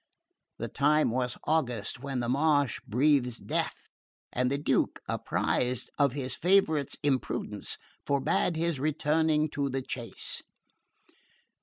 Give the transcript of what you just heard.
The time was August, when the marsh breathes death, and the Duke, apprised of his favourite's imprudence, forbade his returning to the chase.